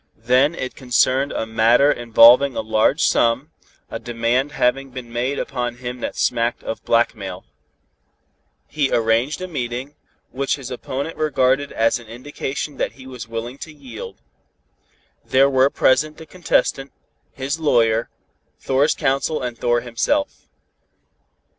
Then it concerned a matter involving a large sum, a demand having been made upon him that smacked of blackmail. He arranged a meeting, which his opponent regarded as an indication that he was willing to yield. There were present the contestant, his lawyer, Thor's counsel and Thor himself.